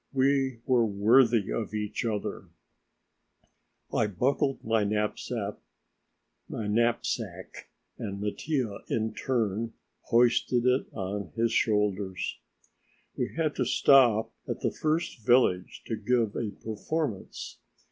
We were worthy of each other. I buckled my knapsack and Mattia, in turn, hoisted it on his shoulders. We had to stop at the first village to give a performance.